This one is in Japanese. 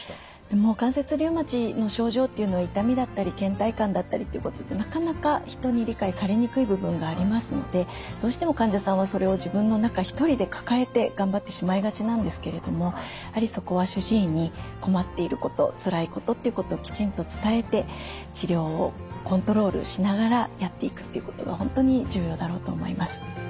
でも関節リウマチの症状っていうのは痛みだったりけん怠感だったりっていうことでなかなか人に理解されにくい部分がありますのでどうしても患者さんはそれを自分の中一人で抱えて頑張ってしまいがちなんですけれどもやはりそこは主治医に困っていることつらいことっていうことをきちんと伝えて治療をコントロールしながらやっていくっていうことが本当に重要だろうと思います。